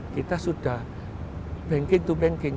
kita sudah banking to banking